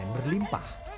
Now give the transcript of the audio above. di hasil panen berlimpah